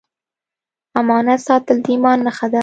امانت ساتل د ایمان نښه ده.